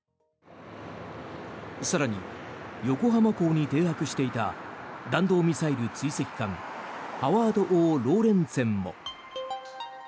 更に横浜港に停泊していた弾道ミサイル追跡艦「ハワード・Ｏ・ローレンツェン」も。